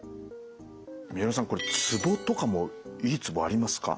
三輪さんこれツボとかもいいツボありますか？